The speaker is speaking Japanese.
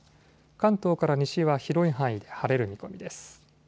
関東から西は広い範囲で晴れる見込みです。